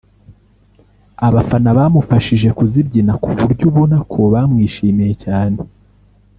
abafana bamufashije kuzibyina ku buryo ubona ko bamwishimiye cyane